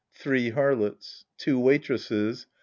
Three Harlots. Two Waitresses.